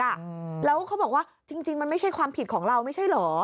แล้วเขาบอกว่าจริงจริงมันไม่ใช่ความผิดของเราไม่ใช่เหรอ